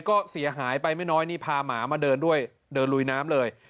ก็เสียหายไปไม่น้อยนี่พาหมามาเดินด้วยเดินลุยน้ำเลย